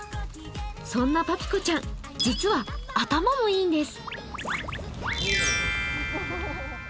そんなパピコちゃん実は頭もいいんです。